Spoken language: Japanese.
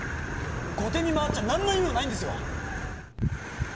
後手に回っちゃ何の意味もないんですよ！